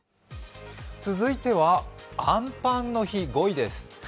続いてはあんぱんの日、５位です。